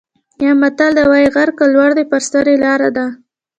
یو متل وايي: غر که لوړ دی په سر یې لاره ده.